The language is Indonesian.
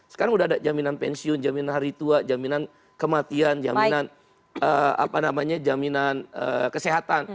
sekarang sudah ada jaminan pensiun jaminan hari tua jaminan kematian jaminan jaminan kesehatan